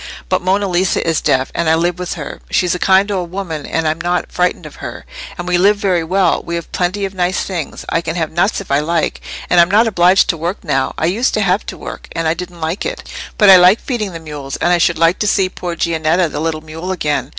"But Monna Lisa is deaf, and I live with her. She's a kind old woman, and I'm not frightened at her. And we live very well: we have plenty of nice things. I can have nuts if I like. And I'm not obliged to work now. I used to have to work, and I didn't like it; but I liked feeding the mules, and I should like to see poor Giannetta, the little mule, again.